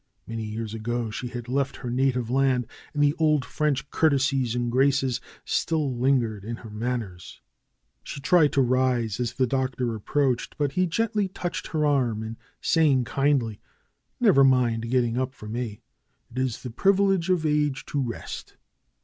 Many years ago she had left her native land, and the old French courtesies and graces still lingered in her manners. She tried to rise as the Doctor approached; but he gently touched her arm saying kindly: "Never mind getting up for me. It is the privilege of age to rest."